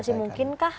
tapi masih mungkinkah